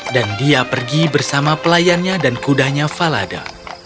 dan dia pergi bersama pelayannya dan kudanya falada